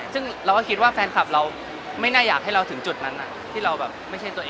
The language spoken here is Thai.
ซึ่งเราก็คิดว่าแฟนคลับเราไม่น่าอยากให้เราถึงจุดนั้นที่เราแบบไม่ใช่ตัวเอง